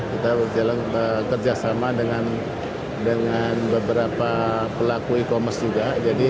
kita berjalan kerjasama dengan beberapa pelaku e commerce juga